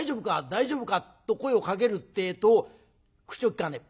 大丈夫か？』と声をかけるってえと口をきかねえ。